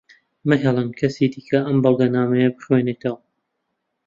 مەهێڵن کەسی دیکە ئەم بەڵگەنامەیە بخوێنێتەوە.